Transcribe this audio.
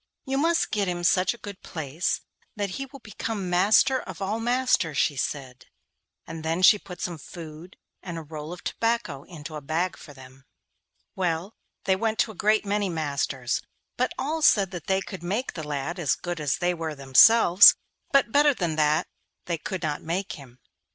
'You must get him such a good place that he will become master of all masters,' she said, and then she put some food and a roll of tobacco into a bag for them. Well, they went to a great many masters, but all said that they could make the lad as good as they were themselves, but better than that they could not make him.